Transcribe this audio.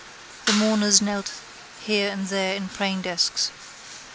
The mourners knelt here and there in prayingdesks.